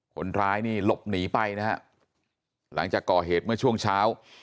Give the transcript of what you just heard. คนร้ายนี่หลบหนีไปนะฮะหลังจากก่อเหตุเมื่อช่วงเช้า